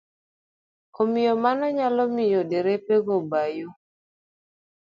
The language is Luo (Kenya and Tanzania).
Omiyo mano nyalo miyo derepe go ba yo.